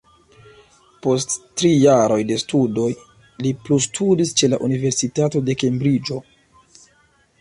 Post tri jaroj de studoj li plustudis ĉe la Universitato de Kembriĝo.